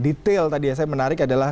detail tadi ya saya menarik adalah